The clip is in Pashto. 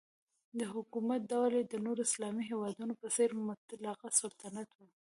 د حکومت ډول یې د نورو اسلامي هیوادونو په څېر مطلقه سلطنت و.